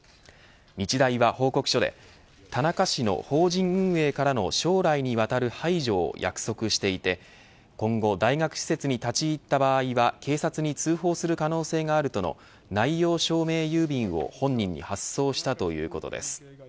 日大は報告書で田中氏の法人運営からの将来にわたる排除を約束していて今後大学施設に立ち入った場合は警察に通報する可能性があるとの内容証明郵便を本人に発送したということです。